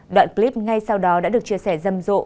đoạn clip ngay sau đó đã được chia sẻ dâm dộ